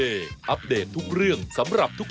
เอาล่ะครับเอาล่ะครับ